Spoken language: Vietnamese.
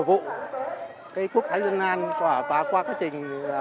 lễ vật gồm hương hoa ngũ quả và xính lễ